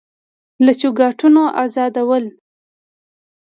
له چوکاټونو ازادول